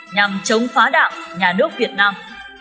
nhằm chống phá đạo nhà nước việt nam